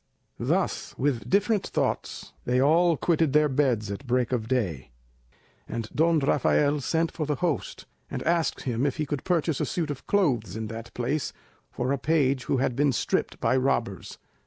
Thus with different thoughts, they all quitted their beds at break of day, and Don Rafael sent for the host, and asked him if he could purchase a suit of clothes in that place for a page who had been stripped by robbers.